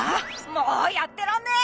もうやってらんねえ！